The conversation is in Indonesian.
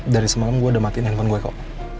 dari semalam gue udah matiin handphone gue kok